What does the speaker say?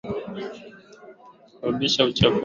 kulisababisha uchafuzi wa hewa kuongezeka kadiri nchi